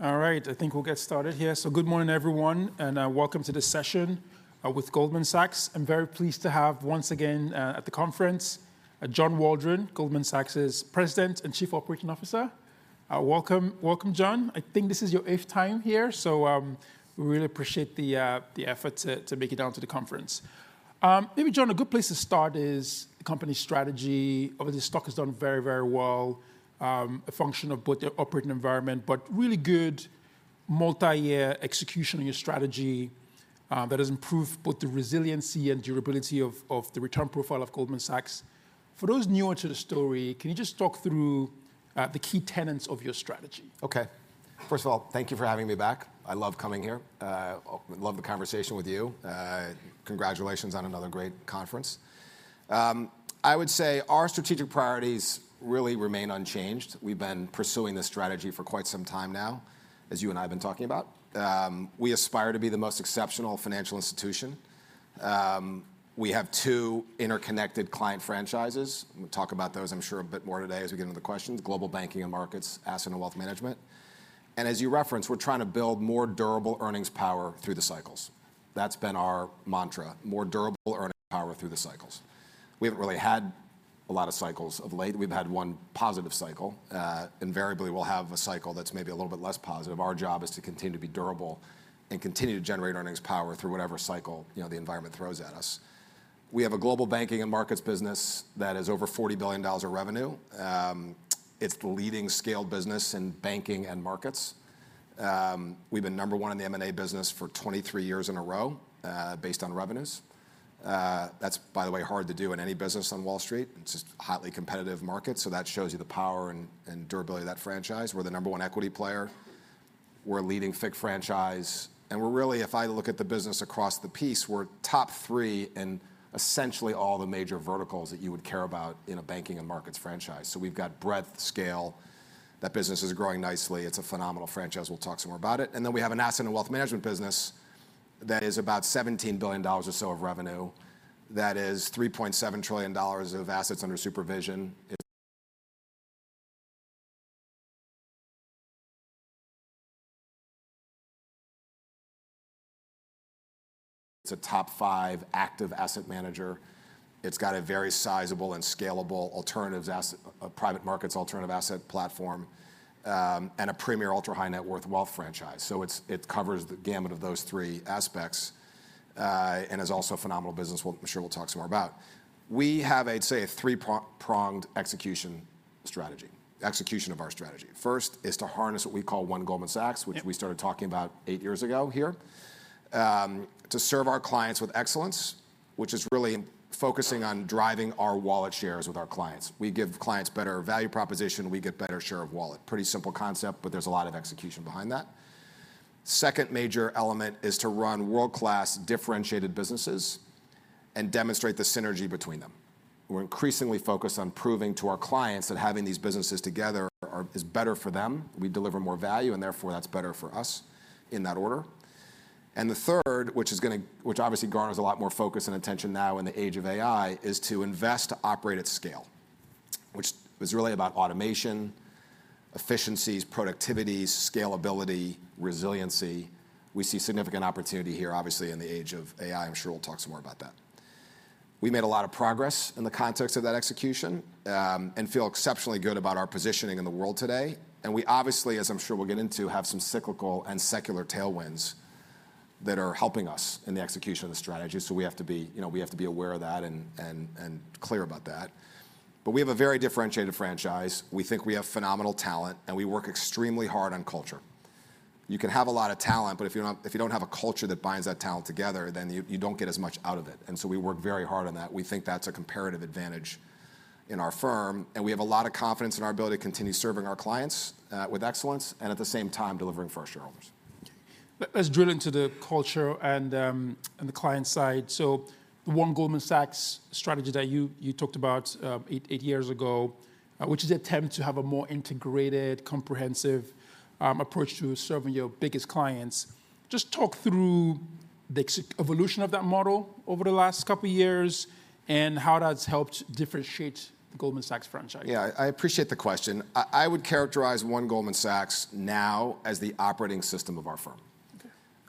All right. I think we'll get started here. Good morning, everyone, and welcome to this session with Goldman Sachs. I'm very pleased to have, once again at the conference, John Waldron, Goldman Sachs's President and Chief Operating Officer. Welcome, John. I think this is your eighth time here, so we really appreciate the effort to make it down to the conference. Maybe, John, a good place to start is the company strategy. Obviously, the stock has done very well, a function of both the operating environment, but really good multi-year execution on your strategy that has improved both the resiliency and durability of the return profile of Goldman Sachs. For those newer to the story, can you just talk through the key tenets of your strategy? Okay. First of all, thank you for having me back. I love coming here. Love the conversation with you. Congratulations on another great conference. I would say our strategic priorities really remain unchanged. We've been pursuing this strategy for quite some time now, as you and I have been talking about. We aspire to be the most exceptional financial institution. We have two interconnected client franchises. I'm going to talk about those, I'm sure, a bit more today as we get into the questions, Global Banking & Markets, Asset & Wealth Management. As you referenced, we're trying to build more durable earnings power through the cycles. That's been our mantra, more durable earnings power through the cycles. We haven't really had a lot of cycles of late. We've had one positive cycle. Invariably, we'll have a cycle that's maybe a little bit less positive. Our job is to continue to be durable and continue to generate earnings power through whatever cycle the environment throws at us. We have a Global Banking & Markets business that is over $40 billion of revenue. It's the leading scale business in banking and markets. We've been number one in the M&A business for 23 years in a row, based on revenues. That's, by the way, hard to do in any business on Wall Street. It's a hotly competitive market. That shows you the power and durability of that franchise. We're the number one equity player. We're a leading FICC franchise. We're really, if I look at the business across the piece, we're top three in essentially all the major verticals that you would care about in a banking and markets franchise. We've got breadth, scale. That business is growing nicely. It's a phenomenal franchise. We'll talk some more about it. We have an Asset & Wealth Management business that is about $17 billion or so of revenue. That is $3.7 trillion of assets under supervision. It's a top five active asset manager. It's got a very sizable and scalable private markets alternative asset platform, and a premier ultra-high net worth wealth franchise. It covers the gamut of those three aspects, and is also a phenomenal business, which I'm sure we'll talk some more about. We have, I'd say, a three-pronged execution of our strategy. First is to harness what we call One Goldman Sachs. Yep Which we started talking about eight years ago here, to serve our clients with excellence, which is really focusing on driving our wallet shares with our clients. We give clients better value proposition, we get better share of wallet. Pretty simple concept, but there's a lot of execution behind that. Second major element is to run world-class differentiated businesses and demonstrate the synergy between them. We're increasingly focused on proving to our clients that having these businesses together is better for them. We deliver more value and therefore that's better for us, in that order. The third, which obviously garners a lot more focus and attention now in the age of AI, is to invest to operate at scale, which is really about automation, efficiencies, productivity, scalability, resiliency. We see significant opportunity here, obviously, in the age of AI. I'm sure we'll talk some more about that. We made a lot of progress in the context of that execution, and feel exceptionally good about our positioning in the world today, and we obviously, as I'm sure we'll get into, have some cyclical and secular tailwinds that are helping us in the execution of the strategy, so we have to be aware of that and clear about that. We have a very differentiated franchise. We think we have phenomenal talent, and we work extremely hard on culture. You can have a lot of talent, but if you don't have a culture that binds that talent together, then you don't get as much out of it. We work very hard on that. We think that's a comparative advantage in our firm, and we have a lot of confidence in our ability to continue serving our clients, with excellence, and at the same time, delivering for our shareholders. Let's drill into the culture and the client side. The One Goldman Sachs strategy that you talked about eight years ago, which is the attempt to have a more integrated, comprehensive approach to serving your biggest clients, just talk through the evolution of that model over the last couple of years and how that's helped differentiate the Goldman Sachs franchise. Yeah. I appreciate the question. I would characterize One Goldman Sachs now as the operating system of our firm.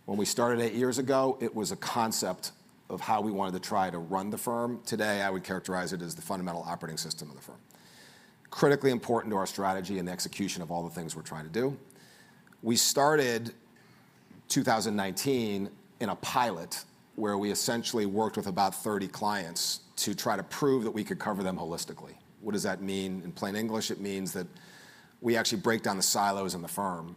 When we started eight years ago, it was a concept of how we wanted to try to run the firm. Today, I would characterize it as the fundamental operating system of the firm. Critically important to our strategy and the execution of all the things we're trying to do. We started 2019 in a pilot where we essentially worked with about 30 clients to try to prove that we could cover them holistically. What does that mean in plain English? It means that we actually break down the silos in the firm,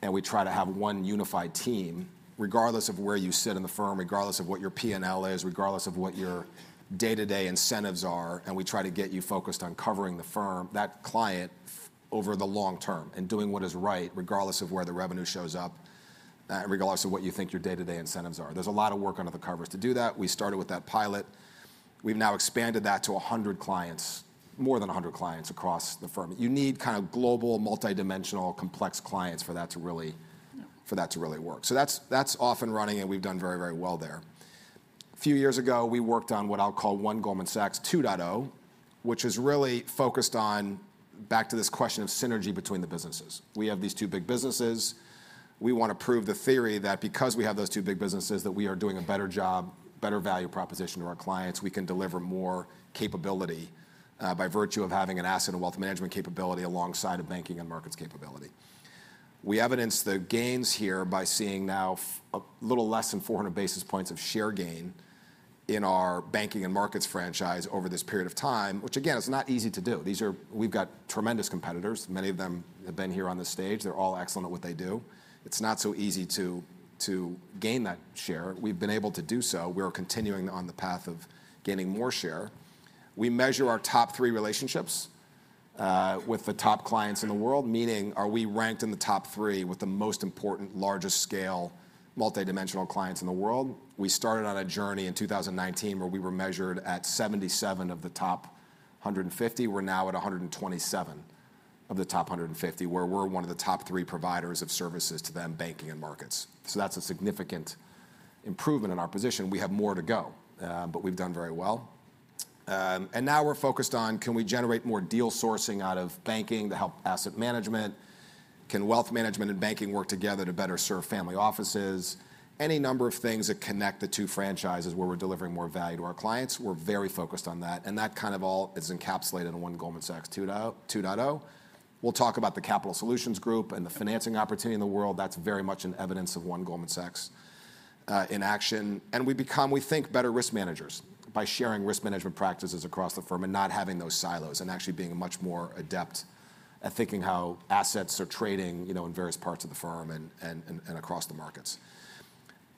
and we try to have one unified team, regardless of where you sit in the firm, regardless of what your P&L is, regardless of what your day-to-day incentives are, and we try to get you focused on covering the firm, that client, over the long term, and doing what is right, regardless of where the revenue shows up, regardless of what you think your day-to-day incentives are. There's a lot of work under the covers to do that. We started with that pilot. We've now expanded that to more than 100 clients across the firm. You need kind of global, multidimensional, complex clients for that to really work. That's off and running, and we've done very well there. A few years ago, we worked on what I'll call One Goldman Sachs 2.0, which is really focused on back to this question of synergy between the businesses. We have these two big businesses. We want to prove the theory that because we have those two big businesses, that we are doing a better job, better value proposition to our clients, we can deliver more capability, by virtue of having an Asset & Wealth Management capability alongside a Banking & Markets capability. We evidence the gains here by seeing now a little less than 400 basis points of share gain in our Banking & Markets franchise over this period of time, which again, is not easy to do. We've got tremendous competitors. Many of them have been here on this stage. They're all excellent at what they do. It's not so easy to gain that share. We've been able to do so. We are continuing on the path of gaining more share. We measure our top three relationships, with the top clients in the world, meaning are we ranked in the top three with the most important, largest scale, multi-dimensional clients in the world? We started on a journey in 2019 where we were measured at 77 of the top 150. We're now at 127 of the top 150, where we're one of the top three providers of services to them, banking and markets. That's a significant improvement in our position. We have more to go, but we've done very well. Now we're focused on can we generate more deal sourcing out of banking to help asset management? Can wealth management and banking work together to better serve family offices? Any number of things that connect the two franchises where we're delivering more value to our clients, we're very focused on that, and that kind of all is encapsulated in One Goldman Sachs 2.0. We'll talk about the Capital Solutions Group and the financing opportunity in the world. That's very much in evidence of One Goldman Sachs in action. We become, we think, better risk managers by sharing risk management practices across the firm and not having those silos and actually being much more adept at thinking how assets are trading in various parts of the firm and across the markets.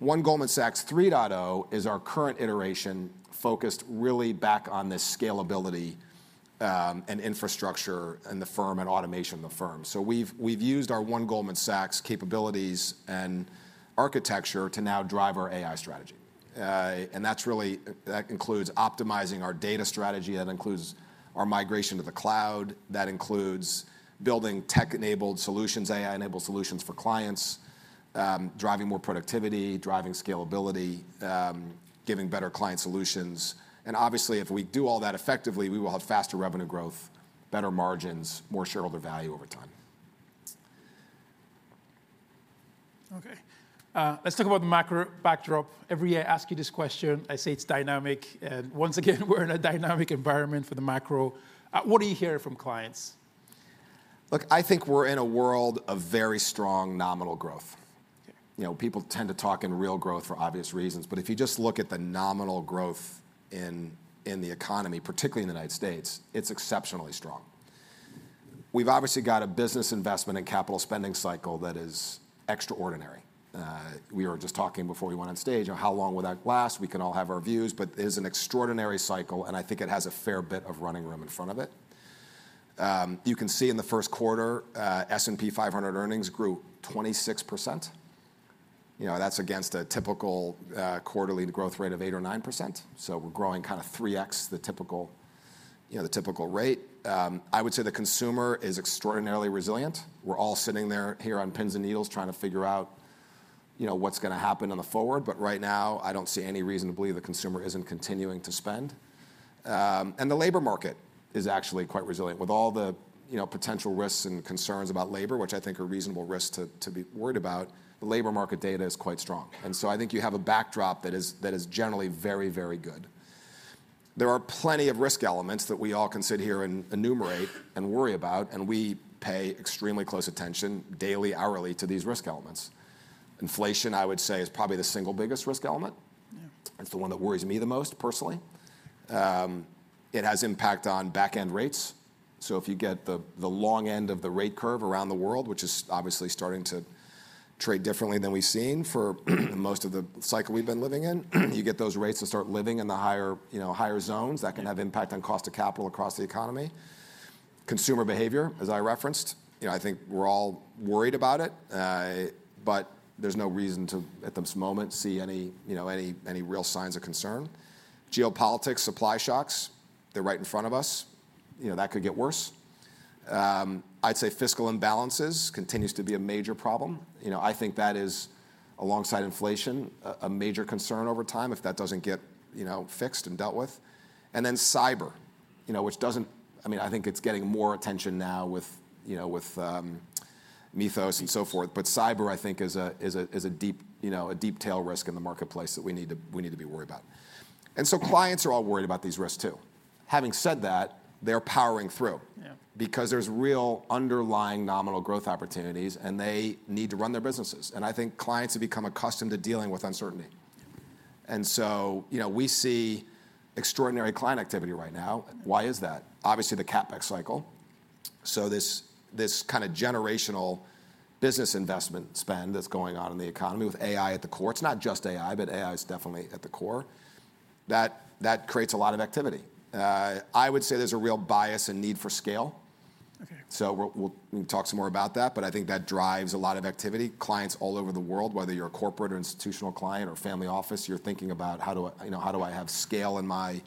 One Goldman Sachs 3.0 is our current iteration, focused really back on this scalability, and infrastructure and the firm and automation of the firm. We've used our One Goldman Sachs capabilities and architecture to now drive our AI strategy. That includes optimizing our data strategy. That includes our migration to the cloud. That includes building tech-enabled solutions, AI-enabled solutions for clients, driving more productivity, driving scalability, giving better client solutions. Obviously, if we do all that effectively, we will have faster revenue growth, better margins, more shareholder value over time. Okay. Let's talk about the macro backdrop. Every year I ask you this question, I say it's dynamic. Once again we're in a dynamic environment for the macro. What are you hearing from clients? Look, I think we're in a world of very strong nominal growth. People tend to talk in real growth for obvious reasons, but if you just look at the nominal growth in the economy, particularly in the United States, it's exceptionally strong. We've obviously got a business investment and capital spending cycle that is extraordinary. We were just talking before we went on stage on how long will that last. We can all have our views, but it is an extraordinary cycle, and I think it has a fair bit of running room in front of it. You can see in the first quarter, S&P 500 earnings grew 26%. That's against a typical quarterly growth rate of 8% or 9%. We're growing kind of 3x the typical rate. I would say the consumer is extraordinarily resilient. We're all sitting here on pins and needles trying to figure out what's going to happen on the forward. Right now, I don't see any reason to believe the consumer isn't continuing to spend. The labor market is actually quite resilient. With all the potential risks and concerns about labor, which I think are reasonable risks to be worried about, the labor market data is quite strong. I think you have a backdrop that is generally very, very good. There are plenty of risk elements that we all can sit here and enumerate and worry about, and we pay extremely close attention daily, hourly, to these risk elements. Inflation, I would say, is probably the single biggest risk element. Yeah. It's the one that worries me the most personally. It has impact on back end rates. If you get the long end of the rate curve around the world, which is obviously starting to trade differently than we've seen for most of the cycle we've been living in, you get those rates to start living in the higher zones. That can have impact on cost of capital across the economy. Consumer behavior, as I referenced, I think we're all worried about it. There's no reason to, at this moment, see any real signs of concern. Geopolitics, supply shocks, they're right in front of us. That could get worse. I'd say fiscal imbalances continues to be a major problem. I think that is, alongside inflation, a major concern over time if that doesn't get fixed and dealt with. Cyber, I think it's getting more attention now with Mythos and so forth, but cyber, I think, is a deep tail risk in the marketplace that we need to be worried about. Clients are all worried about these risks, too. Having said that, they're powering through. Yeah. Because there's real underlying nominal growth opportunities, and they need to run their businesses. I think clients have become accustomed to dealing with uncertainty. We see extraordinary client activity right now. Why is that? Obviously, the CapEx cycle. This kind of generational business investment spend that's going on in the economy with AI at the core. It's not just AI, but AI is definitely at the core. That creates a lot of activity. I would say there's a real bias and need for scale. Okay. We'll talk some more about that, but I think that drives a lot of activity. Clients all over the world, whether you're a corporate or institutional client or family office, you're thinking about how do I have scale in my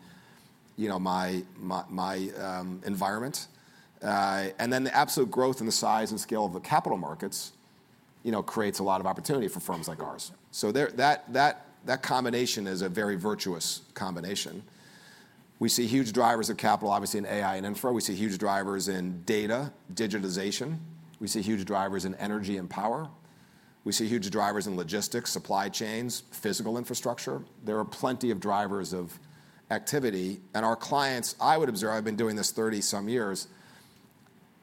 environment. The absolute growth and the size and scale of the capital markets creates a lot of opportunity for firms like ours. That combination is a very virtuous combination. We see huge drivers of capital, obviously in AI and infra. We see huge drivers in data digitization. We see huge drivers in energy and power. We see huge drivers in logistics, supply chains, physical infrastructure. There are plenty of drivers of activity, and our clients, I would observe, I've been doing this 30-some years,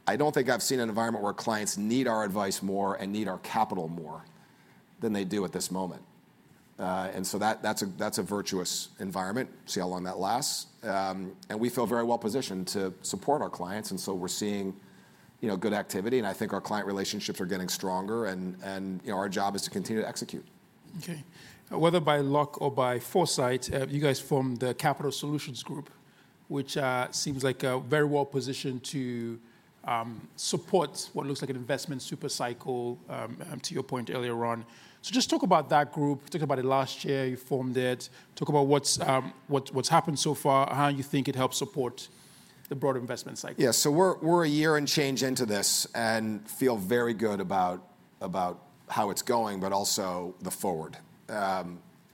I don't think I've seen an environment where clients need our advice more and need our capital more than they do at this moment. That's a virtuous environment. See how long that lasts. We feel very well positioned to support our clients, and so we're seeing good activity, and I think our client relationships are getting stronger and our job is to continue to execute. Okay. Whether by luck or by foresight, you guys formed the Capital Solutions Group, which seems very well positioned to support what looks like an investment super cycle, to your point earlier on. Just talk about that group, talk about it last year, you formed it. Talk about what's happened so far, and how you think it helps support the broader investment cycle. We're a year and change into this and feel very good about how it's going, but also the forward.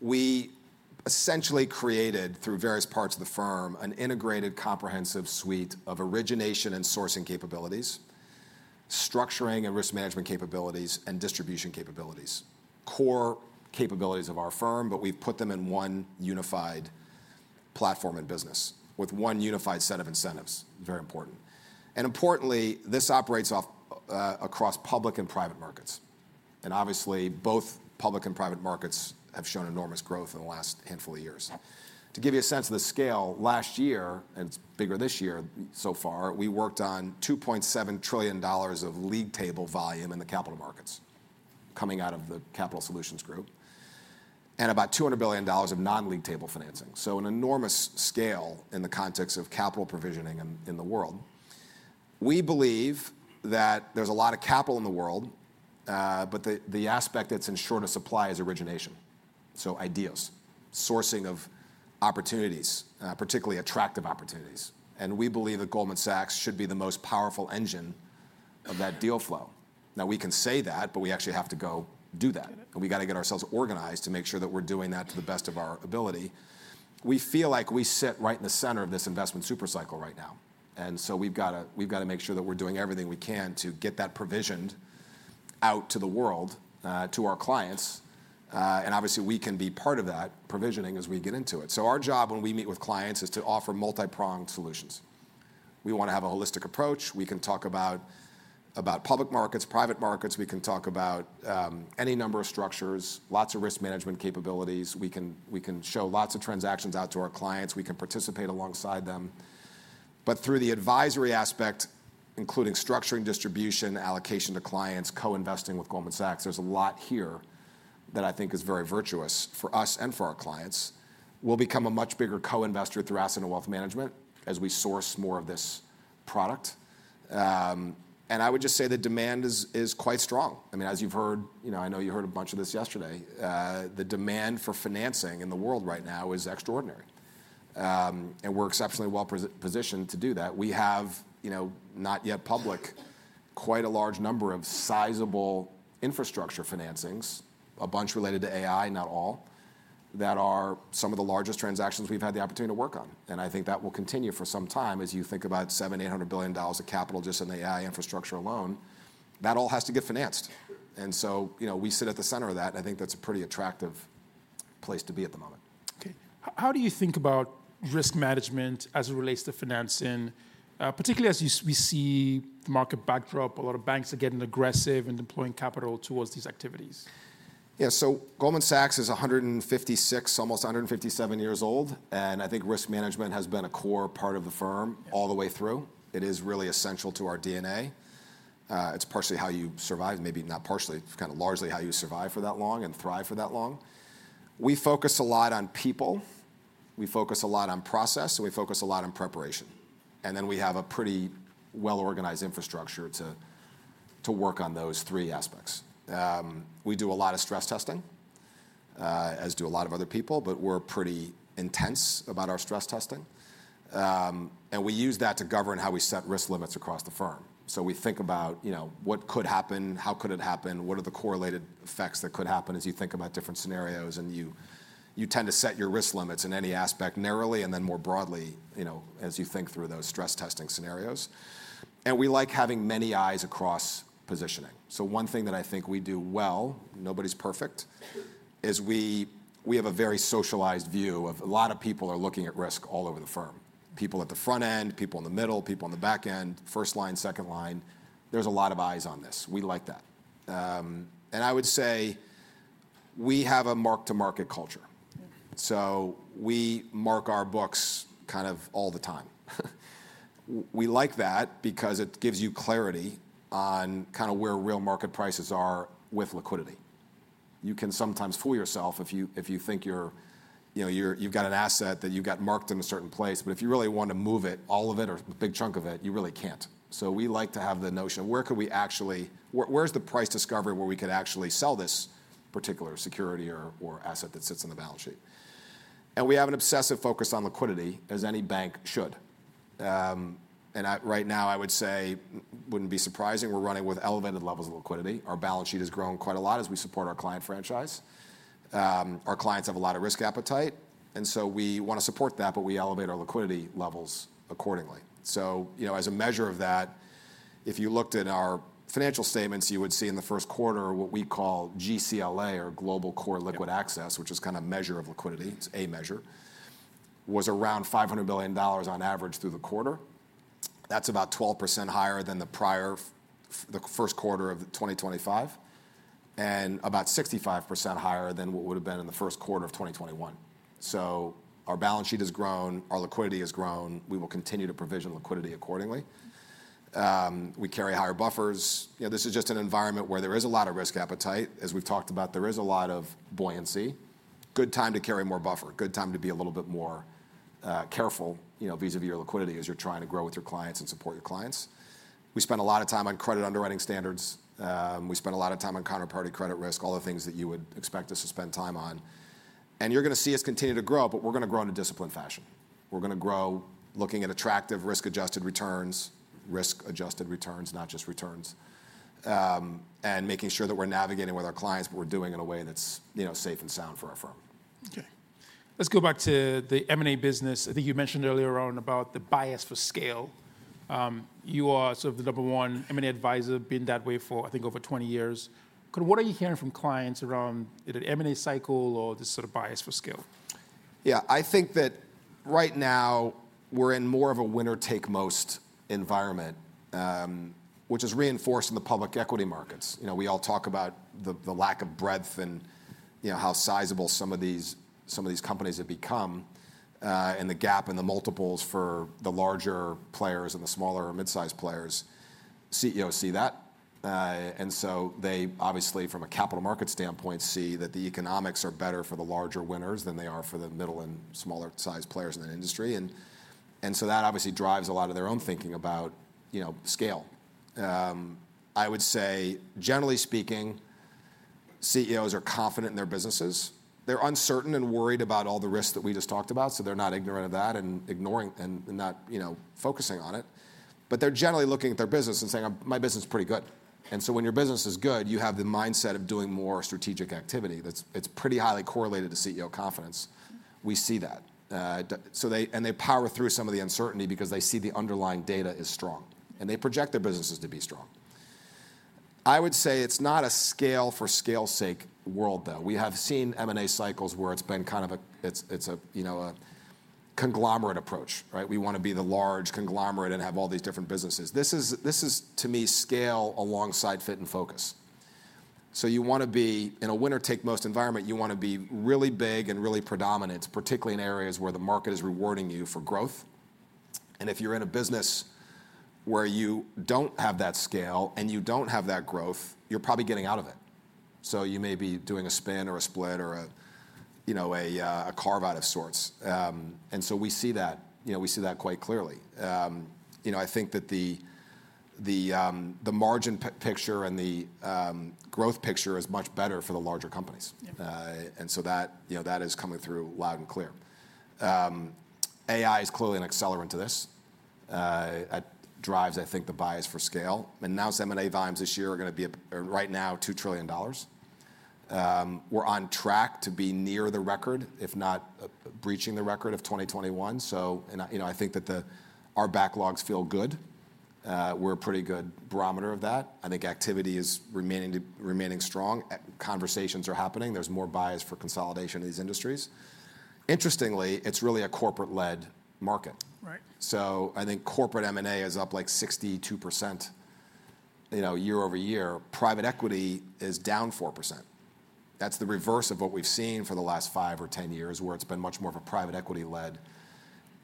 We essentially created, through various parts of the firm, an integrated, comprehensive suite of origination and sourcing capabilities, structuring and risk management capabilities, and distribution capabilities. Core capabilities of our firm, but we've put them in one unified platform and business with one unified set of incentives. Very important. Importantly, this operates across public and private markets, and obviously, both public and private markets have shown enormous growth in the last handful of years. To give you a sense of the scale, last year, and it's bigger this year so far, we worked on $2.7 trillion of league table volume in the capital markets coming out of the Capital Solutions Group, and about $200 billion of non-league table financing. An enormous scale in the context of capital provisioning in the world. We believe that there's a lot of capital in the world, but the aspect that's in short supply is origination. Ideas, sourcing of opportunities, particularly attractive opportunities. We believe that Goldman Sachs should be the most powerful engine of that deal flow. We can say that, but we actually have to go do that. We've got to get ourselves organized to make sure that we're doing that to the best of our ability. We feel like we sit right in the center of this investment super cycle right now, and so we've got to make sure that we're doing everything we can to get that provisioned out to the world, to our clients. Obviously, we can be part of that provisioning as we get into it. Our job when we meet with clients is to offer multi-pronged solutions. We want to have a holistic approach. We can talk about public markets, private markets. We can talk about any number of structures, lots of risk management capabilities. We can show lots of transactions out to our clients. We can participate alongside them. Through the advisory aspect, including structuring, distribution, allocation to clients, co-investing with Goldman Sachs, there's a lot here that I think is very virtuous for us and for our clients. We'll become a much bigger co-investor through Asset & Wealth Management as we source more of this product. I would just say the demand is quite strong. As you've heard, I know you heard a bunch of this yesterday, the demand for financing in the world right now is extraordinary. We're exceptionally well positioned to do that. We have, not yet public, quite a large number of sizable infrastructure financings, a bunch related to AI, not all, that are some of the largest transactions we've had the opportunity to work on. I think that will continue for some time as you think about $700 billion-$800 billion of capital just in AI infrastructure alone. That all has to get financed. We sit at the center of that, and I think that's a pretty attractive place to be at the moment. Okay. How do you think about risk management as it relates to financing? Particularly as we see the market backdrop, a lot of banks are getting aggressive and employing capital towards these activities. Yeah. Goldman Sachs is 156, almost 157 years old, and I think risk management has been a core part of the firm all the way through. It is really essential to our DNA. It's partially how you survive. Maybe not partially, it's kind of largely how you survive for that long and thrive for that long. We focus a lot on people, we focus a lot on process, and we focus a lot on preparation. We have a pretty well-organized infrastructure to work on those three aspects. We do a lot of stress testing, as do a lot of other people, but we're pretty intense about our stress testing. We use that to govern how we set risk limits across the firm. We think about what could happen, how could it happen, what are the correlated effects that could happen as you think about different scenarios, and you tend to set your risk limits in any aspect narrowly and then more broadly, as you think through those stress testing scenarios. We like having many eyes across positioning. One thing that I think we do well, nobody's perfect, is we have a very socialized view of a lot of people are looking at risk all over the firm. People at the front end, people in the middle, people on the back end, first line, second line. There's a lot of eyes on this. We like that. I would say we have a mark-to-market culture. We mark our books kind of all the time. We like that because it gives you clarity on where real market prices are with liquidity. You can sometimes fool yourself if you think you've got an asset that you've got marked in a certain place, but if you really want to move it, all of it or a big chunk of it, you really can't. We like to have the notion, where's the price discovery where we could actually sell this particular security or asset that sits on the balance sheet? We have an obsessive focus on liquidity, as any bank should. Right now, I would say, wouldn't be surprising, we're running with elevated levels of liquidity. Our balance sheet has grown quite a lot as we support our client franchise. Our clients have a lot of risk appetite, and so we want to support that, but we elevate our liquidity levels accordingly. As a measure of that, if you looked at our financial statements, you would see in the first quarter what we call GCLA or Global Core Liquid Assets, which is kind of a measure of liquidity. It's a measure, was around $500 billion on average through the quarter. That's about 12% higher than the first quarter of 2025, and about 65% higher than what would've been in the first quarter of 2021. Our balance sheet has grown, our liquidity has grown. We will continue to provision liquidity accordingly. We carry higher buffers. This is just an environment where there is a lot of risk appetite, as we've talked about. There is a lot of buoyancy. Good time to carry more buffer, good time to be a little bit more careful, vis-à-vis your liquidity, as you're trying to grow with your clients and support your clients. We spend a lot of time on credit underwriting standards. We spend a lot of time on counterparty credit risk, all the things that you would expect us to spend time on. You're going to see us continue to grow, but we're going to grow in a disciplined fashion. We're going to grow looking at attractive risk-adjusted returns, not just returns, and making sure that we're navigating with our clients, but we're doing it in a way that's safe and sound for our firm. Okay. Let's go back to the M&A business. I think you mentioned earlier on about the bias for scale. You are sort of the number one M&A advisor, been that way for, I think, over 20 years. Kind of what are you hearing from clients around either the M&A cycle or this sort of bias for scale? Yeah, I think that right now we're in more of a winner-take-most environment, which is reinforced in the public equity markets. We all talk about the lack of breadth and how sizable some of these companies have become, and the gap in the multiples for the larger players and the smaller midsize players. CEOs see that, and so they obviously, from a capital market standpoint, see that the economics are better for the larger winners than they are for the middle and smaller-sized players in the industry. That obviously drives a lot of their own thinking about scale. I would say generally speaking, CEOs are confident in their businesses. They're uncertain and worried about all the risks that we just talked about, so they're not ignorant of that and ignoring and not focusing on it, but they're generally looking at their business and saying, "My business is pretty good." When your business is good, you have the mindset of doing more strategic activity. It's pretty highly correlated to CEO confidence. We see that. They power through some of the uncertainty because they see the underlying data is strong, and they project their businesses to be strong. I would say it's not a scale for scale's sake world, though. We have seen M&A cycles where it's been kind of a conglomerate approach, right? We want to be the large conglomerate and have all these different businesses. This is, to me, scale alongside fit and focus. In a winner-take-most environment, you want to be really big and really predominant, particularly in areas where the market is rewarding you for growth. If you're in a business where you don't have that scale and you don't have that growth, you're probably getting out of it. You may be doing a spin or a split or a carve-out of sorts. We see that quite clearly. I think that the margin picture and the growth picture is much better for the larger companies. Yeah. That is coming through loud and clear. AI is clearly an accelerant to this. It drives, I think, the bias for scale. Announced M&A volumes this year are going to be, right now, $2 trillion. We're on track to be near the record, if not breaching the record of 2021. I think that our backlogs feel good. We're a pretty good barometer of that. I think activity is remaining strong. Conversations are happening. There's more bias for consolidation in these industries. Interestingly, it's really a corporate-led market. Right. I think corporate M&A is up like 62% year-over-year. Private equity is down 4%. That's the reverse of what we've seen for the last five or 10 years, where it's been much more of a private equity-led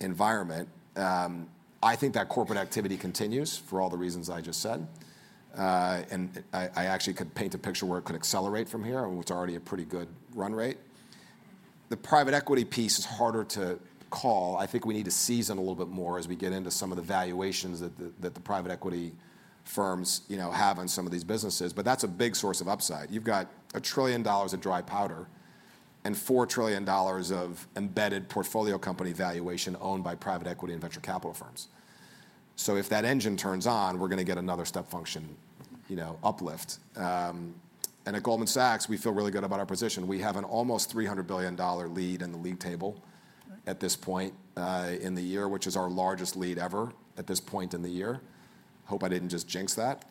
environment. I think that corporate activity continues for all the reasons I just said. I actually could paint a picture where it could accelerate from here, and it's already a pretty good run rate. The private equity piece is harder to call. I think we need to season a little bit more as we get into some of the valuations that the private equity firms have on some of these businesses, but that's a big source of upside. You've got $1 trillion of dry powder and $4 trillion of embedded portfolio company valuation owned by private equity and venture capital firms. If that engine turns on, we're going to get another step function uplift. At Goldman Sachs, we feel really good about our position. We have an almost $300 billion lead in the league table at this point in the year, which is our largest lead ever at this point in the year. Hope I didn't just jinx that.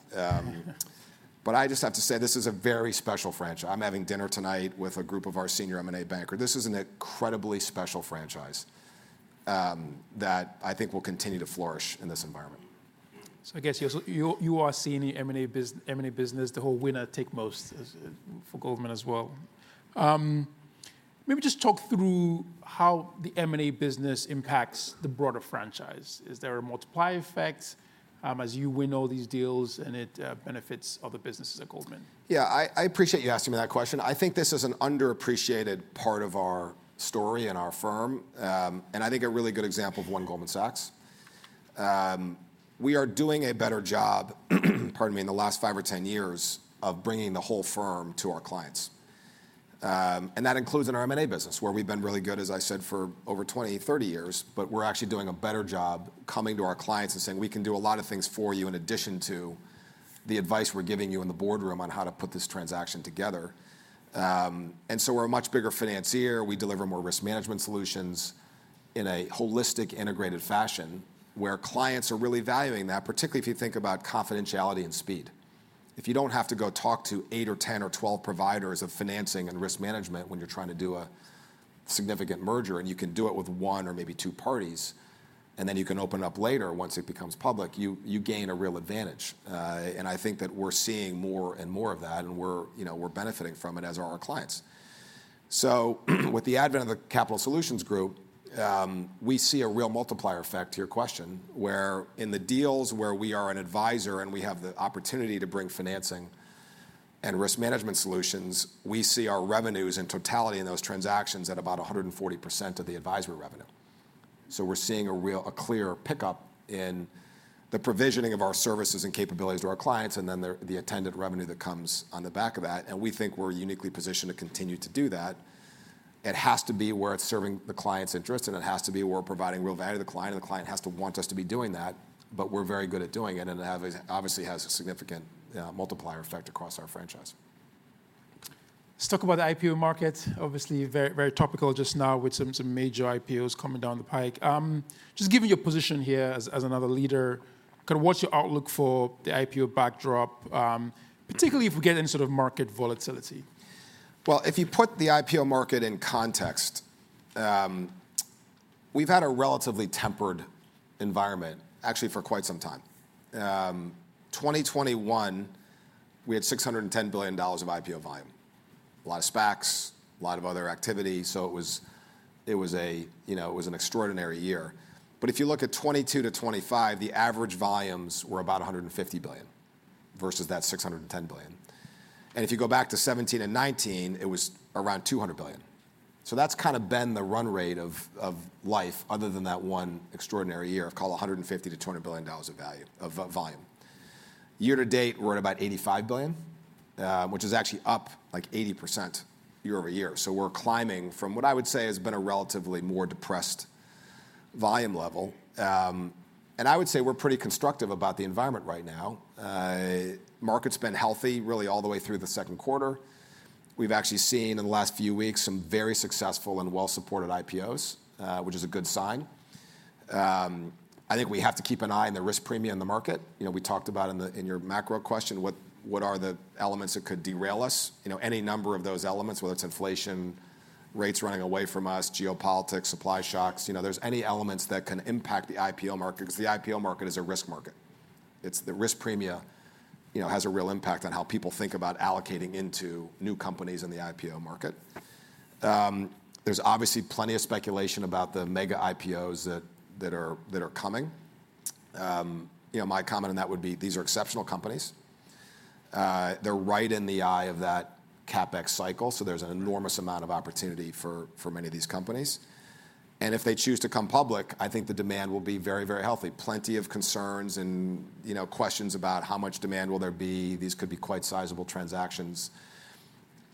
I just have to say, this is a very special franchise. I'm having dinner tonight with a group of our senior M&A banker. This is an incredibly special franchise, that I think will continue to flourish in this environment. I guess you are seeing the M&A business, the whole winner take most, for Goldman as well. Maybe just talk through how the M&A business impacts the broader franchise. Is there a multiplier effect as you win all these deals, and it benefits other businesses at Goldman? Yeah, I appreciate you asking me that question. I think this is an underappreciated part of our story and our firm, and I think a really good example of One Goldman Sachs. We are doing a better job, pardon me, in the last five or 10 years of bringing the whole firm to our clients. That includes in our M&A business, where we've been really good, as I said, for over 20, 30 years. We're actually doing a better job coming to our clients and saying, "We can do a lot of things for you in addition to the advice we're giving you in the boardroom on how to put this transaction together." We're a much bigger financier. We deliver more risk management solutions in a holistic, integrated fashion, where clients are really valuing that, particularly if you think about confidentiality and speed. If you don't have to go talk to eight or 10 or 12 providers of financing and risk management when you're trying to do a significant merger, and you can do it with one or maybe two parties, and then you can open it up later once it becomes public, you gain a real advantage. I think that we're seeing more and more of that, and we're benefiting from it, as are our clients. With the advent of the Capital Solutions Group, we see a real multiplier effect to your question, where in the deals where we are an advisor and we have the opportunity to bring financing and risk management solutions, we see our revenues in totality in those transactions at about 140% of the advisory revenue. We're seeing a clear pickup in the provisioning of our services and capabilities to our clients, and then the attendant revenue that comes on the back of that. We think we're uniquely positioned to continue to do that. It has to be where it's serving the client's interest, and it has to be where we're providing real value to the client, and the client has to want us to be doing that. We're very good at doing it, and it obviously has a significant multiplier effect across our franchise. Let's talk about the IPO market. Obviously, very topical just now with some major IPOs coming down the pike. Just given your position here as another leader, what's your outlook for the IPO backdrop, particularly if we get any sort of market volatility? Well, if you put the IPO market in context, we've had a relatively tempered environment, actually for quite some time. 2021, we had $610 billion of IPO volume. A lot of SPACs, a lot of other activity, so it was an extraordinary year. If you look at 2022 to 2025, the average volumes were about $150 billion versus that $610 billion. If you go back to 2017 and 2019, it was around $200 billion. That's kind of been the run rate of life other than that one extraordinary year, call it $150 billion-$200 billion of volume. Year to date, we're at about $85 billion, which is actually up like 80% year-over-year. We're climbing from what I would say has been a relatively more depressed volume level. I would say we're pretty constructive about the environment right now. Market's been healthy really all the way through the second quarter. We've actually seen in the last few weeks some very successful and well-supported IPOs, which is a good sign. I think we have to keep an eye on the risk premia in the market. We talked about in your macro question, what are the elements that could derail us? Any number of those elements, whether it's inflation, rates running away from us, geopolitics, supply shocks. There's any elements that can impact the IPO market because the IPO market is a risk market. The risk premia has a real impact on how people think about allocating into new companies in the IPO market. There's obviously plenty of speculation about the mega IPOs that are coming. My comment on that would be these are exceptional companies. They're right in the eye of that CapEx cycle, so there's an enormous amount of opportunity for many of these companies, and if they choose to come public, I think the demand will be very healthy. Plenty of concerns and questions about how much demand will there be. These could be quite sizable transactions.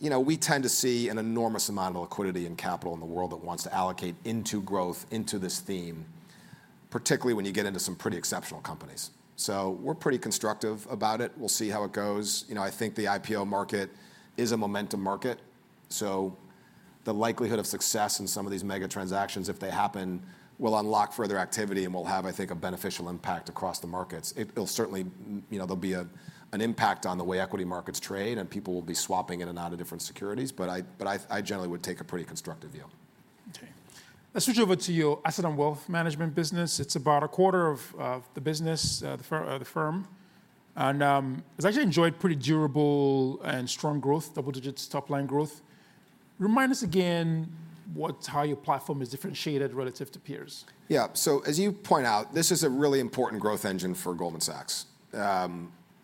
We tend to see an enormous amount of liquidity and capital in the world that wants to allocate into growth, into this theme, particularly when you get into some pretty exceptional companies. We're pretty constructive about it. We'll see how it goes. I think the IPO market is a momentum market, so the likelihood of success in some of these mega transactions, if they happen, will unlock further activity and will have, I think, a beneficial impact across the markets. There'll be an impact on the way equity markets trade, and people will be swapping in and out of different securities. I generally would take a pretty constructive view. Okay. Let's switch over to your Asset & Wealth Management business. It's about a quarter of the business, the firm. It's actually enjoyed pretty durable and strong growth, double digits top line growth. Remind us again how your platform is differentiated relative to peers. Yeah. As you point out, this is a really important growth engine for Goldman Sachs.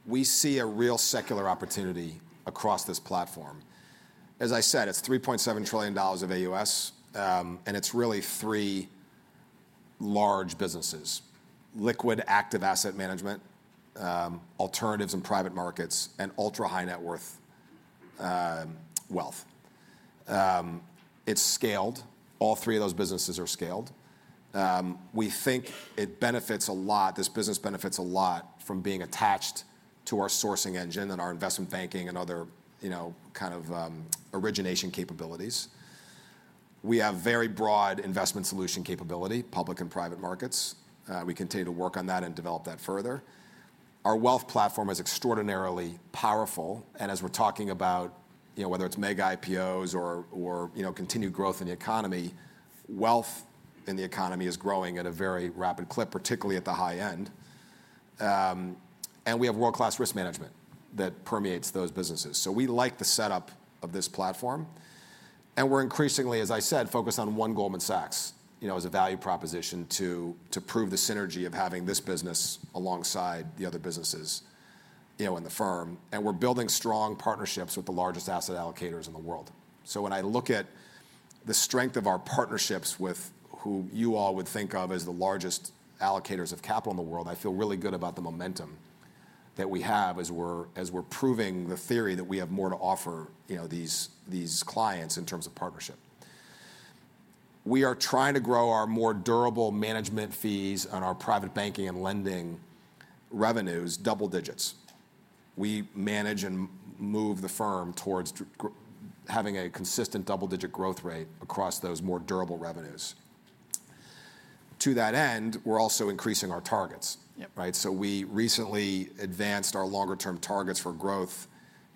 We see a real secular opportunity across this platform. As I said, it's $3.7 trillion of AUS, and it's really three large businesses, liquid active asset management, alternatives in private markets, and ultra-high net worth wealth. It's scaled. All three of those businesses are scaled. We think this business benefits a lot from being attached to our sourcing engine and our investment banking and other kind of origination capabilities. We have very broad investment solution capability, public and private markets. We continue to work on that and develop that further. Our wealth platform is extraordinarily powerful, and as we're talking about whether it's mega IPOs or continued growth in the economy, wealth in the economy is growing at a very rapid clip, particularly at the high end. We have world-class risk management that permeates those businesses. We like the setup of this platform, and we're increasingly, as I said, focused on One Goldman Sachs as a value proposition to prove the synergy of having this business alongside the other businesses in the firm. We're building strong partnerships with the largest asset allocators in the world. When I look at the strength of our partnerships with who you all would think of as the largest allocators of capital in the world, I feel really good about the momentum that we have as we're proving the theory that we have more to offer these clients in terms of partnership. We are trying to grow our more durable management fees on our private banking and lending revenues double digits. We manage and move the firm towards having a consistent double-digit growth rate across those more durable revenues. To that end, we're also increasing our targets. Yep. Right. We recently advanced our longer-term targets for growth,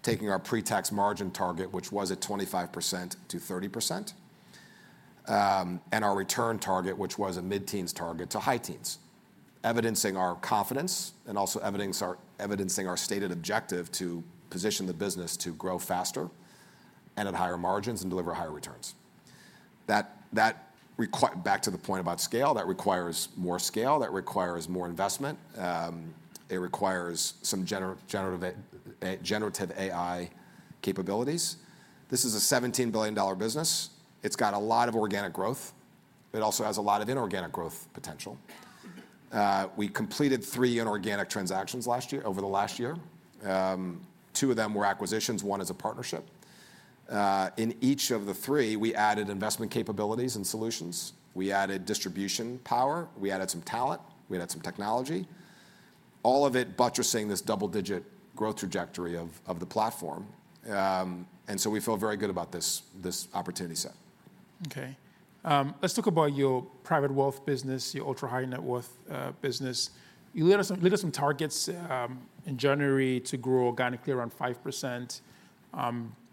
taking our pre-tax margin target, which was at 25%-30%, and our return target, which was a mid-teens target, to high teens, evidencing our confidence and also evidencing our stated objective to position the business to grow faster and at higher margins and deliver higher returns. Back to the point about scale, that requires more scale. That requires more investment. It requires some generative AI capabilities. This is a $17 billion business. It's got a lot of organic growth. It also has a lot of inorganic growth potential. We completed three inorganic transactions over the last year. Two of them were acquisitions. One is a partnership. In each of the three, we added investment capabilities and solutions. We added distribution power. We added some talent. We added some technology, all of it buttressing this double-digit growth trajectory of the platform. We feel very good about this opportunity set. Okay. Let's talk about your private wealth business, your ultra-high net worth business. You laid out some targets in January to grow organically around 5%.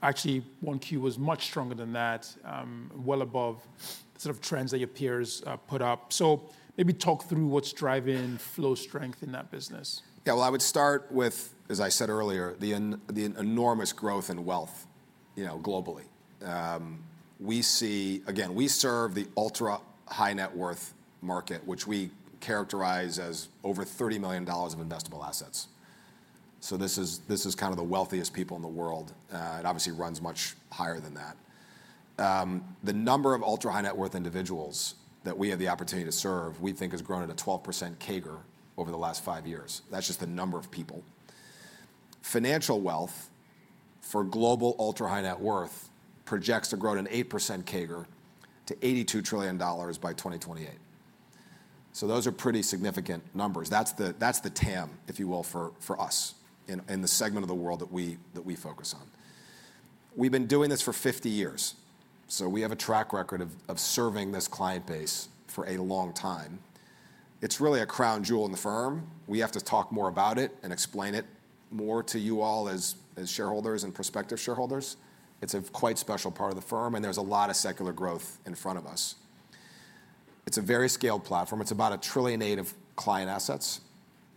Actually, 1Q was much stronger than that, well above sort of trends that your peers put up. Maybe talk through what's driving flow strength in that business. Yeah. Well, I would start with, as I said earlier, the enormous growth in wealth globally. We serve the ultra-high net worth market, which we characterize as over $30 million of investable assets. This is kind of the wealthiest people in the world. It obviously runs much higher than that. The number of ultra-high net worth individuals that we have the opportunity to serve, we think has grown at a 12% CAGR over the last five years. That's just the number of people. Financial wealth for global ultra-high net worth projects to grow at an 8% CAGR to $82 trillion by 2028. Those are pretty significant numbers. That's the TAM, if you will, for us, in the segment of the world that we focus on. We've been doing this for 50 years, we have a track record of serving this client base for a long time. It's really a crown jewel in the firm. We have to talk more about it and explain it more to you all as shareholders and prospective shareholders. It's a quite special part of the firm. There's a lot of secular growth in front of us. It's a very scaled platform. It's about $1.8 trillion of client assets,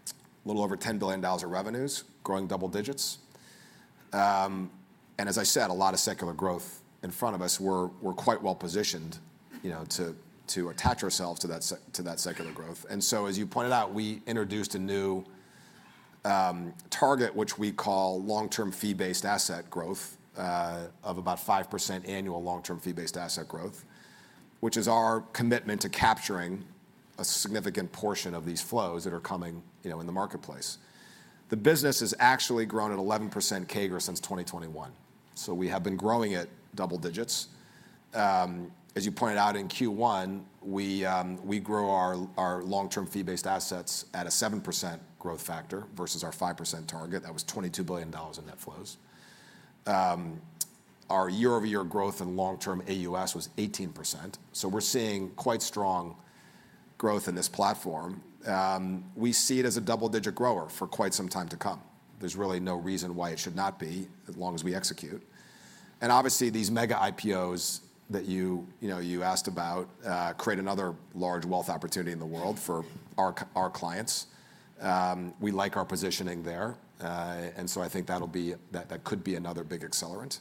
a little over $10 billion of revenues, growing double digits. As I said, a lot of secular growth in front of us. We're quite well positioned to attach ourselves to that secular growth. As you pointed out, we introduced a new target, which we call long-term fee-based asset growth of about 5% annual long-term fee-based asset growth, which is our commitment to capturing a significant portion of these flows that are coming in the marketplace. The business has actually grown at 11% CAGR since 2021, we have been growing it double digits. As you pointed out, in Q1, we grew our long-term fee-based assets at a 7% growth factor versus our 5% target. That was $22 billion in net flows. Our year-over-year growth in long-term AUS was 18%, we're seeing quite strong growth in this platform. We see it as a double-digit grower for quite some time to come. There's really no reason why it should not be, as long as we execute. Obviously, these mega IPOs that you asked about, create another large wealth opportunity in the world for our clients. We like our positioning there. I think that could be another big accelerant.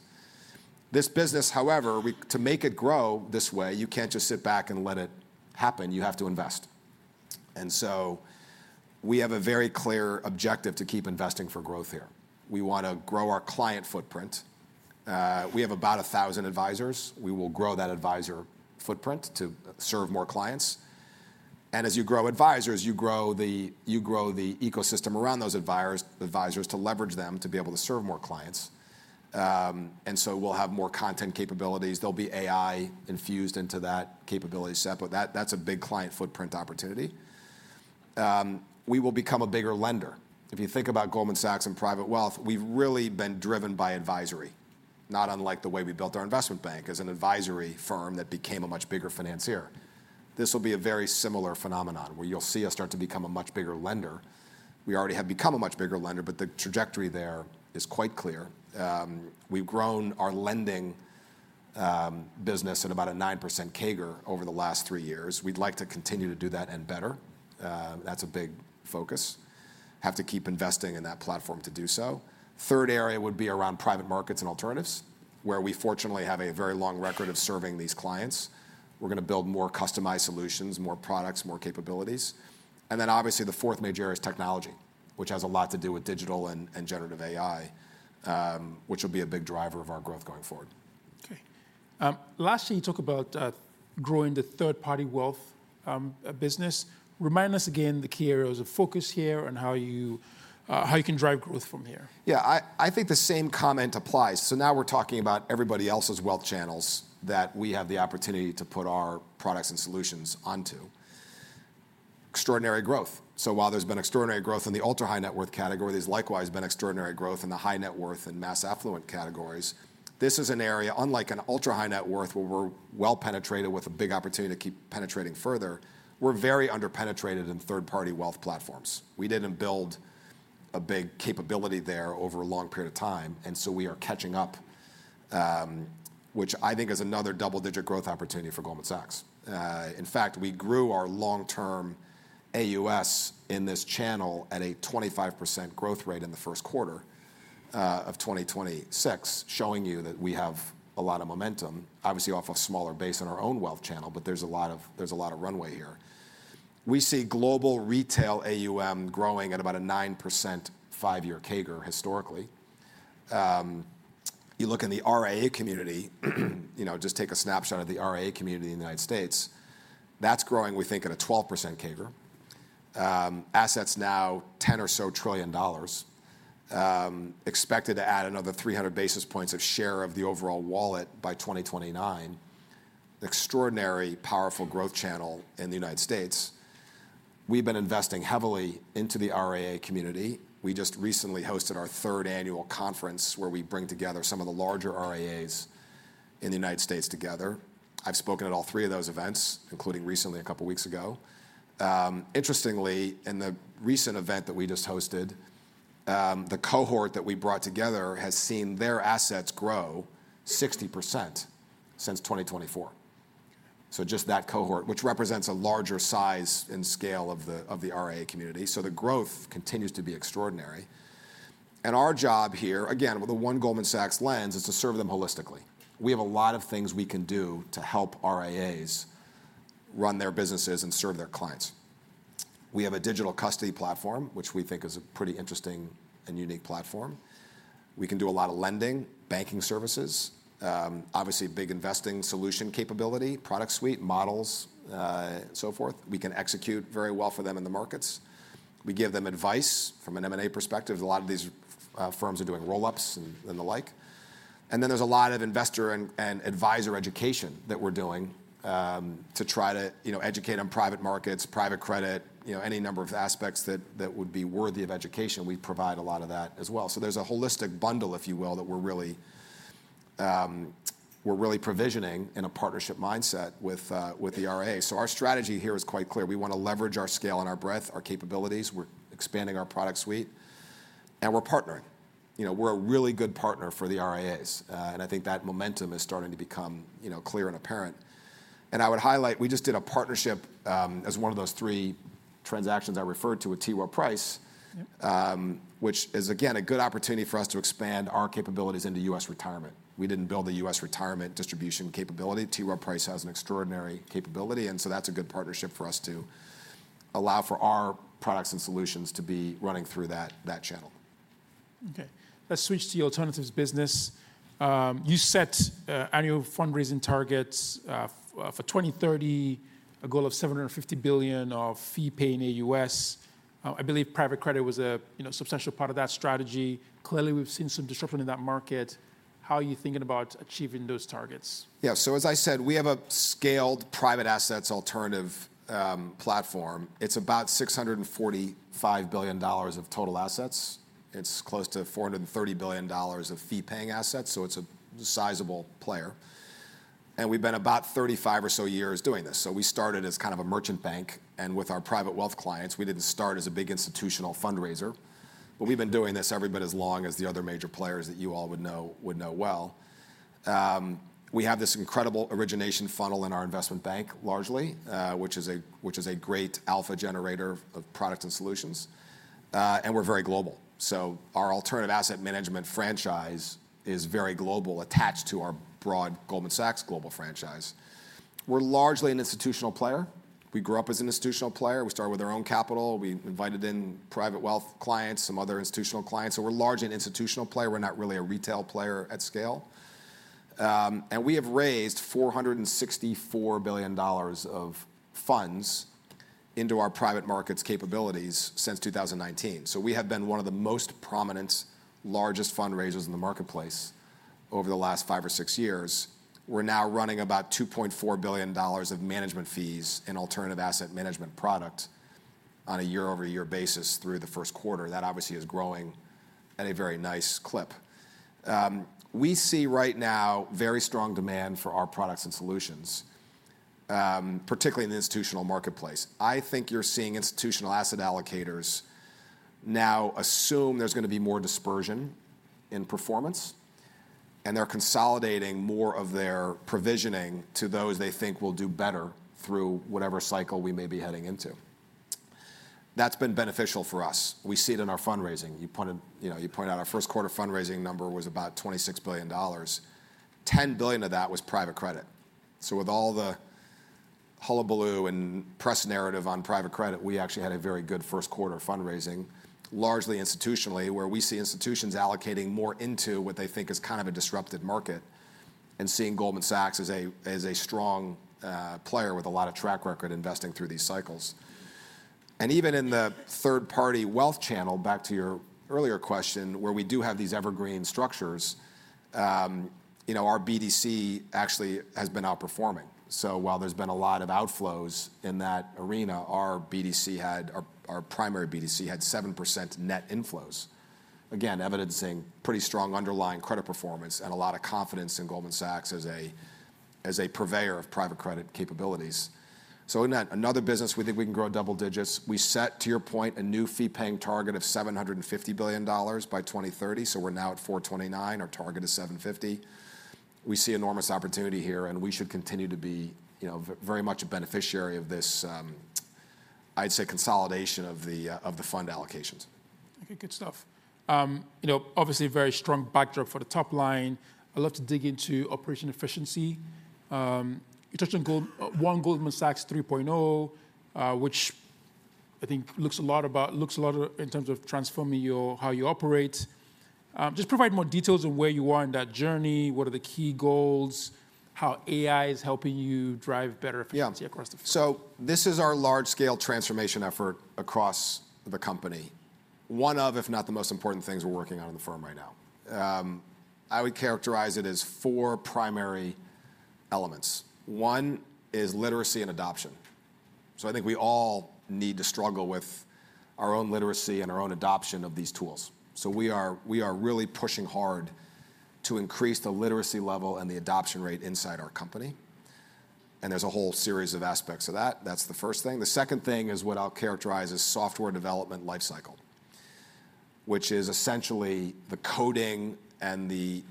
This business, however, to make it grow this way, you can't just sit back and let it happen. You have to invest. We have a very clear objective to keep investing for growth here. We want to grow our client footprint. We have about 1,000 advisors. We will grow that advisor footprint to serve more clients. As you grow advisors, you grow the ecosystem around those advisors to leverage them to be able to serve more clients. We'll have more content capabilities. There'll be AI infused into that capability set, but that's a big client footprint opportunity. We will become a bigger lender. If you think about Goldman Sachs and private wealth, we've really been driven by advisory, not unlike the way we built our investment bank as an advisory firm that became a much bigger financier. This will be a very similar phenomenon, where you'll see us start to become a much bigger lender. We already have become a much bigger lender, but the trajectory there is quite clear. We've grown our lending business at about a 9% CAGR over the last three years. We'd like to continue to do that and better. That's a big focus. Have to keep investing in that platform to do so. Third area would be around private markets and alternatives, where we fortunately have a very long record of serving these clients. We're going to build more customized solutions, more products, more capabilities. Obviously the fourth major area is technology, which has a lot to do with digital and generative AI, which will be a big driver of our growth going forward. Last year, you talked about growing the third-party wealth business. Remind us again the key areas of focus here and how you can drive growth from here. Yeah. I think the same comment applies. Now we're talking about everybody else's wealth channels that we have the opportunity to put our products and solutions onto. Extraordinary growth. While there's been extraordinary growth in the ultra-high net worth category, there's likewise been extraordinary growth in the high net worth and mass affluent categories. This is an area, unlike an ultra-high net worth, where we're well-penetrated with a big opportunity to keep penetrating further. We're very under-penetrated in third-party wealth platforms. We didn't build a big capability there over a long period of time, and so we are catching up, which I think is another double-digit growth opportunity for Goldman Sachs. In fact, we grew our long-term AUS in this channel at a 25% growth rate in the first quarter of 2026, showing you that we have a lot of momentum, obviously off a smaller base in our own wealth channel, but there's a lot of runway here. We see global retail AUM growing at about a 9% five-year CAGR historically. You look in the RIA community, just take a snapshot of the RIA community in the United States, that's growing, we think, at a 12% CAGR. Assets now, $10 trillion or so, expected to add another 300 basis points of share of the overall wallet by 2029. Extraordinary, powerful growth channel in the United States. We've been investing heavily into the RIA community. We just recently hosted our third annual conference where we bring together some of the larger RIAs in the United States together. I've spoken at all three of those events, including recently, a couple of weeks ago. Interestingly, in the recent event that we just hosted, the cohort that we brought together has seen their assets grow 60% since 2024. Just that cohort, which represents a larger size and scale of the RIA community. The growth continues to be extraordinary. Our job here, again, with the One Goldman Sachs lens, is to serve them holistically. We have a lot of things we can do to help RIAs run their businesses and serve their clients. We have a digital custody platform, which we think is a pretty interesting and unique platform. We can do a lot of lending, banking services, obviously a big investing solution capability, product suite, models, so forth. We can execute very well for them in the markets. We give them advice from an M&A perspective. A lot of these firms are doing roll-ups and the like. There's a lot of investor and advisor education that we're doing to try to educate on private markets, private credit, any number of aspects that would be worthy of education. We provide a lot of that as well. There's a holistic bundle, if you will, that we're really provisioning in a partnership mindset with the RIAs. Our strategy here is quite clear. We want to leverage our scale and our breadth, our capabilities. We're expanding our product suite, and we're partnering. We're a really good partner for the RIAs. I think that momentum is starting to become clear and apparent. I would highlight, we just did a partnership, as one of those three transactions I referred to, with T. Rowe Price. Yep. Which is, again, a good opportunity for us to expand our capabilities into U.S. retirement. We didn't build the U.S. retirement distribution capability. T. Rowe Price has an extraordinary capability, and so that's a good partnership for us to allow for our products and solutions to be running through that channel. Okay. Let's switch to the alternatives business. You set annual fundraising targets for 2030, a goal of $750 billion of fee pay in the U.S. I believe private credit was a substantial part of that strategy. Clearly, we've seen some disruption in that market. How are you thinking about achieving those targets? As I said, we have a scaled private assets alternative platform. It's about $645 billion of total assets. It's close to $430 billion of fee-paying assets, so it's a sizable player. We've been about 35 or so years doing this. We started as kind of a merchant bank, and with our private wealth clients, we didn't start as a big institutional fundraiser. We've been doing this every bit as long as the other major players that you all would know well. We have this incredible origination funnel in our investment bank, largely, which is a great alpha generator of products and solutions. We're very global. Our alternative asset management franchise is very global, attached to our broad Goldman Sachs global franchise. We're largely an institutional player. We grew up as an institutional player. We started with our own capital. We invited in private wealth clients, some other institutional clients. We're largely an institutional player. We're not really a retail player at scale. We have raised $464 billion of funds into our private markets capabilities since 2019. We have been one of the most prominent, largest fundraisers in the marketplace over the last five or six years. We're now running about $2.4 billion of management fees in alternative asset management product on a year-over-year basis through the first quarter. That obviously is growing at a very nice clip. We see right now very strong demand for our products and solutions, particularly in the institutional marketplace. I think you're seeing institutional asset allocators now assume there's going to be more dispersion in performance, and they're consolidating more of their provisioning to those they think will do better through whatever cycle we may be heading into. That's been beneficial for us. We see it in our fundraising. You pointed out our first quarter fundraising number was about $26 billion. $10 billion of that was private credit. With all the hullabaloo and press narrative on private credit, we actually had a very good first quarter fundraising, largely institutionally, where we see institutions allocating more into what they think is kind of a disrupted market, and seeing Goldman Sachs as a strong player with a lot of track record investing through these cycles. Even in the third-party wealth channel, back to your earlier question, where we do have these evergreen structures, our BDC actually has been outperforming. While there's been a lot of outflows in that arena, our primary BDC had 7% net inflows. Again, evidencing pretty strong underlying credit performance and a lot of confidence in Goldman Sachs as a purveyor of private credit capabilities. In that, another business we think we can grow double digits. We set, to your point, a new fee-paying target of $750 billion by 2030. We're now at $429 billion. Our target is $750 million. We see enormous opportunity here, and we should continue to be very much a beneficiary of this, I'd say, consolidation of the fund allocations. Okay. Good stuff. Obviously, a very strong backdrop for the top line. I'd love to dig into operational efficiency. You touched on One Goldman Sachs 3.0, which I think looks a lot in terms of transforming how you operate. Just provide more details on where you are in that journey. What are the key goals? How AI is helping you drive better efficiency across the firm? Yeah. This is our large-scale transformation effort across the company, one of, if not the most important things we're working on in the firm right now. I would characterize it as four primary elements. One is literacy and adoption. I think we all need to struggle with our own literacy and our own adoption of these tools. We are really pushing hard to increase the literacy level and the adoption rate inside our company, and there's a whole series of aspects of that. That's the first thing. The second thing is what I'll characterize as software development life cycle, which is essentially the coding and the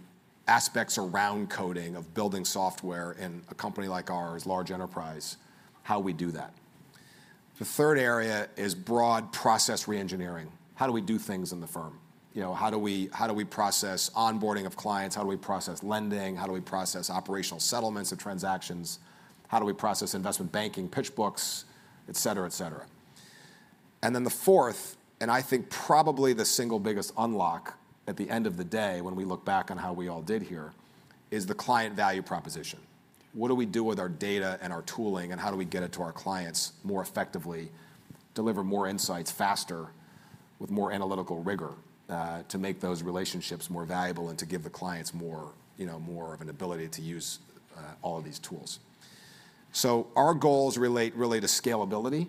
aspects around coding of building software in a company like ours, large enterprise, how we do that. The third area is broad process re-engineering. How do we do things in the firm? How do we process onboarding of clients? How do we process lending? How do we process operational settlements of transactions? How do we process investment banking pitch books? Et cetera. The fourth, and I think probably the single biggest unlock at the end of the day when we look back on how we all did here, is the client value proposition. What do we do with our data and our tooling, and how do we get it to our clients more effectively, deliver more insights faster, with more analytical rigor, to make those relationships more valuable and to give the clients more of an ability to use all of these tools. Our goals relate to scalability.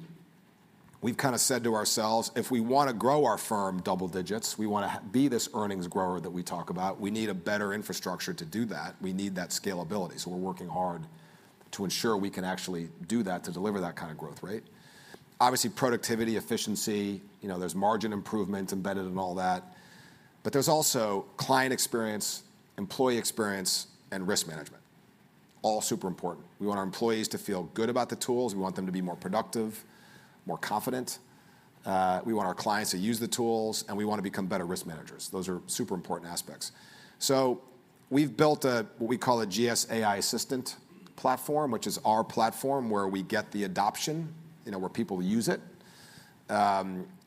We've kind of said to ourselves, if we want to grow our firm double digits, we want to be this earnings grower that we talk about, we need a better infrastructure to do that. We need that scalability. We're working hard to ensure we can actually do that to deliver that kind of growth rate. Obviously, productivity, efficiency, there's margin improvement embedded in all that. There's also client experience, employee experience, and risk management. All super important. We want our employees to feel good about the tools. We want them to be more productive, more confident. We want our clients to use the tools, and we want to become better risk managers. Those are super important aspects. We've built what we call a GS AI Assistant platform, which is our platform where we get the adoption, where people use it.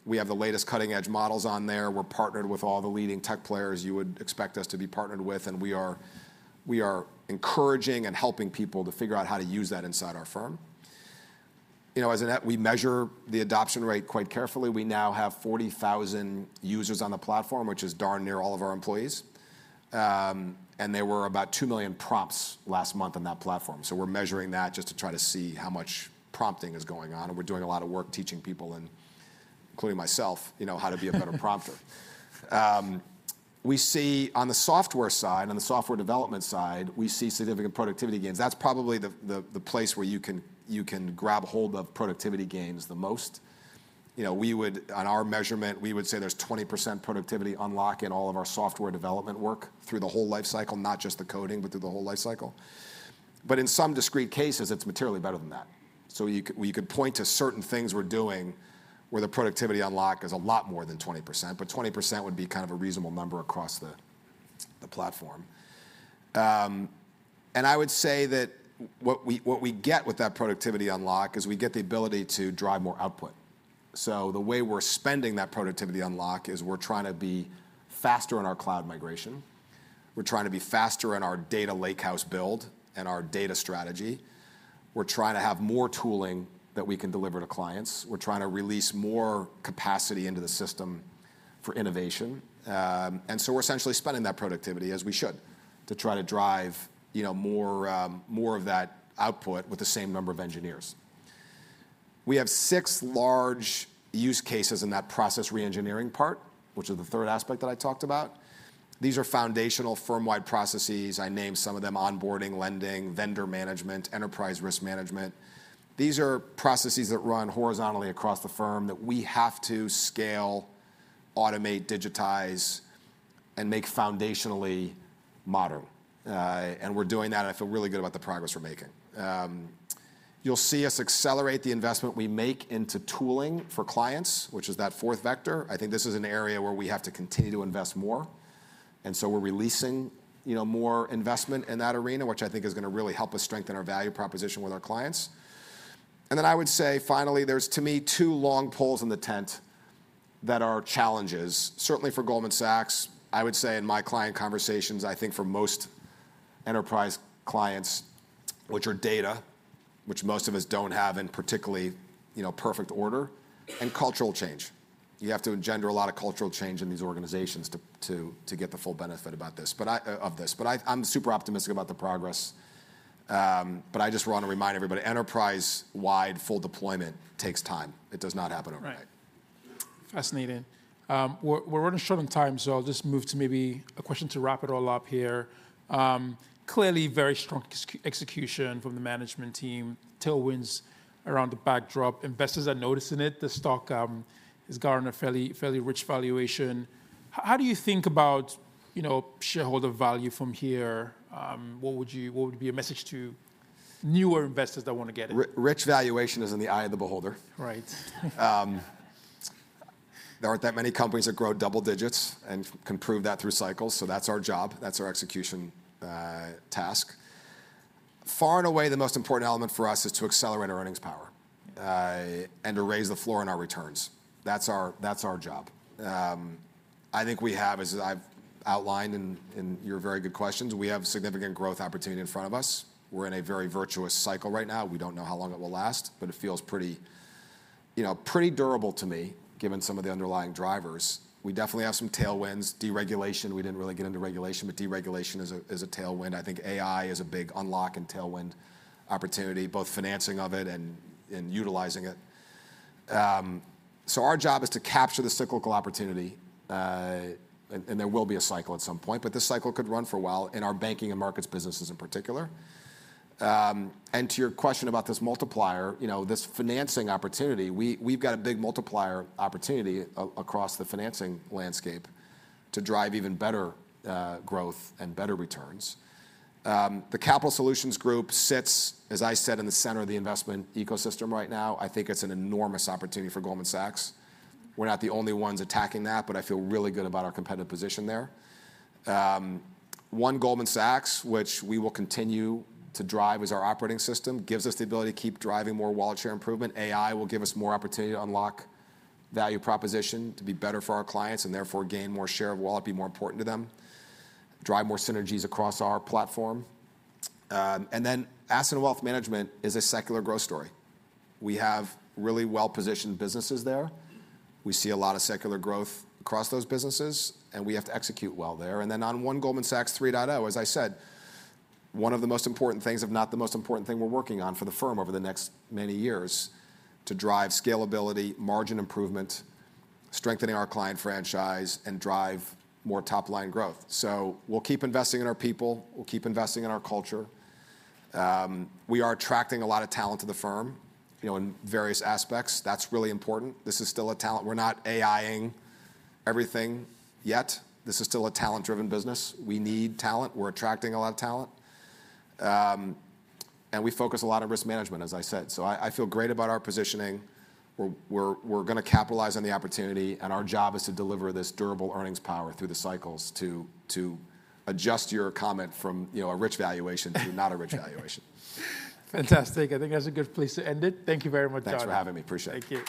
We have the latest cutting-edge models on there. We're partnered with all the leading tech players you would expect us to be partnered with, and we are encouraging and helping people to figure out how to use that inside our firm. As a net, we measure the adoption rate quite carefully. We now have 40,000 users on the platform, which is darn near all of our employees. There were about 2 million prompts last month on that platform. We're measuring that just to try to see how much prompting is going on, and we're doing a lot of work teaching people, including myself, how to be a better prompter. On the software development side, we see significant productivity gains. That's probably the place where you can grab hold of productivity gains the most. On our measurement, we would say there's 20% productivity unlock in all of our software development work through the whole life cycle, not just the coding, but through the whole life cycle. In some discrete cases, it's materially better than that. You could point to certain things we're doing where the productivity unlock is a lot more than 20%, but 20% would be kind of a reasonable number across the platform. I would say that what we get with that productivity unlock is we get the ability to drive more output. The way we're spending that productivity unlock is we're trying to be faster in our cloud migration. We're trying to be faster in our data lakehouse build and our data strategy. We're trying to have more tooling that we can deliver to clients. We're trying to release more capacity into the system for innovation. We're essentially spending that productivity as we should to try to drive more of that output with the same number of engineers. We have six large use cases in that process re-engineering part, which is the third aspect that I talked about. These are foundational firm-wide processes. I named some of them, onboarding, lending, vendor management, enterprise risk management. These are processes that run horizontally across the firm that we have to scale, automate, digitize, and make foundationally modern. We're doing that, and I feel really good about the progress we're making. You'll see us accelerate the investment we make into tooling for clients, which is that fourth vector. I think this is an area where we have to continue to invest more. We're releasing more investment in that arena, which I think is going to really help us strengthen our value proposition with our clients. I would say, finally, there's, to me, two long poles in the tent that are challenges, certainly for Goldman Sachs, I would say in my client conversations, I think for most enterprise clients, which are data, which most of us don't have in particularly perfect order, and cultural change. You have to engender a lot of cultural change in these organizations to get the full benefit of this. I'm super optimistic about the progress. I just want to remind everybody, enterprise-wide full deployment takes time. It does not happen overnight. Right. Fascinating. We're running short on time, so I'll just move to maybe a question to wrap it all up here. Clearly very strong execution from the management team, tailwinds around the backdrop. Investors are noticing it. The stock has garnered a fairly rich valuation. How do you think about shareholder value from here? What would be your message to newer investors that want to get in? Rich valuation is in the eye of the beholder. Right. There aren't that many companies that grow double digits and can prove that through cycles. That's our job, that's our execution task. Far and away the most important element for us is to accelerate our earnings power, and to raise the floor on our returns. That's our job. I think we have, as I've outlined in your very good questions, we have significant growth opportunity in front of us. We're in a very virtuous cycle right now. We don't know how long it will last, but it feels pretty durable to me, given some of the underlying drivers. We definitely have some tailwinds. Deregulation, we didn't really get into regulation. Deregulation is a tailwind. I think AI is a big unlock and tailwind opportunity, both financing of it and utilizing it. Our job is to capture the cyclical opportunity. There will be a cycle at some point, but this cycle could run for a while in our banking and markets businesses in particular. To your question about this multiplier, this financing opportunity, we've got a big multiplier opportunity across the financing landscape to drive even better growth and better returns. The Capital Solutions Group sits, as I said, in the center of the investment ecosystem right now. I think it's an enormous opportunity for Goldman Sachs. We're not the only ones attacking that, but I feel really good about our competitive position there. One Goldman Sachs, which we will continue to drive as our operating system, gives us the ability to keep driving more wallet share improvement. AI will give us more opportunity to unlock value proposition, to be better for our clients and therefore gain more share of wallet, be more important to them, drive more synergies across our platform. Asset & Wealth Management is a secular growth story. We have really well-positioned businesses there. We see a lot of secular growth across those businesses, and we have to execute well there. On One Goldman Sachs 3.0, as I said, one of the most important things, if not the most important thing we're working on for the firm over the next many years, to drive scalability, margin improvement, strengthening our client franchise, and drive more top-line growth. We'll keep investing in our people, we'll keep investing in our culture. We are attracting a lot of talent to the firm, in various aspects. That's really important. We're not AI-ing everything yet. This is still a talent-driven business. We need talent. We're attracting a lot of talent. We focus a lot on risk management, as I said. I feel great about our positioning. We're going to capitalize on the opportunity, and our job is to deliver this durable earnings power through the cycles to adjust your comment from a rich valuation to not a rich valuation. Fantastic. I think that's a good place to end it. Thank you very much, John. Thanks for having me. Appreciate it. Thank you.